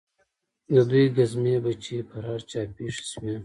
د دوى گزمې به چې پر هر چا پېښې سوې.